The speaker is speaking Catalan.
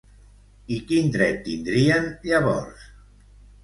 I quin dret tindrien, llavors?